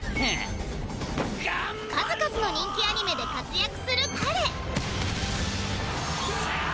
数々の人気アニメで活躍する彼。